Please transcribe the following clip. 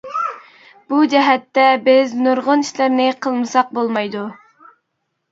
بۇ جەھەتتە بىز نۇرغۇن ئىشلارنى قىلمىساق بولمايدۇ.